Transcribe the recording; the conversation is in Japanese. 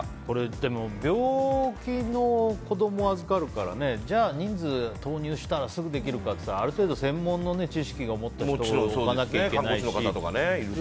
でも病気の子供を預かるからじゃあ、人数投入したらすぐできるかっていったらある程度専門の知識を持った人を雇わなきゃいけないし。